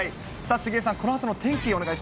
杉江さん、このあとの天気お願い